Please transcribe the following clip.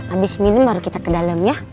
abis minum baru kita ke dalem ya